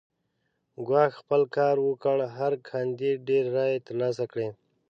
ګواښ خپل کار وکړ هر کاندید ډېرې رایې ترلاسه کړې.